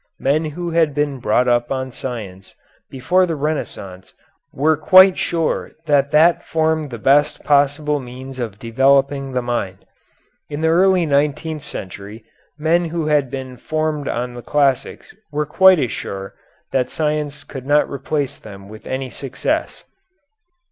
Men who had been brought up on science before the Renaissance were quite sure that that formed the best possible means of developing the mind. In the early nineteenth century men who had been formed on the classics were quite as sure that science could not replace them with any success.